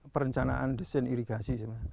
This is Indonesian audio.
perencanaan desain irigasi